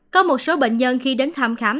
có một số bệnh nhân khi đến thăm khám